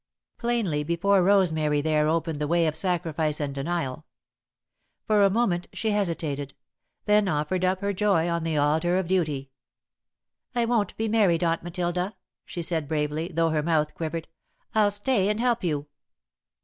Plainly before Rosemary there opened the way of sacrifice and denial. For a moment she hesitated, then offered up her joy on the altar of duty. "I won't be married, Aunt Matilda," she said, bravely, though her mouth quivered. "I'll stay and help you."